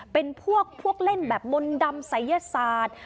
เป็นพวกเล่นแบบมนต์ดำศัยยศาสตร์